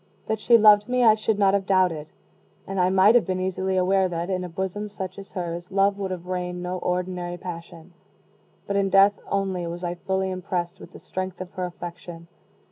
That she loved me I should not have doubted; and I might have been easily aware that, in a bosom such as hers, love would have reigned no ordinary passion. But in death only was I fully impressed with the strength of her affection.